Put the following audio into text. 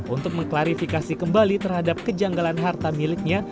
untuk mengklarifikasi kembali terhadap kejanggalan harta miliknya